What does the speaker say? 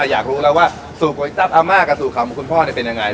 อยากรู้แล้วว่าสูตรก๋วยจับอาม่ากับสูตรของคุณพ่อเป็นยังไง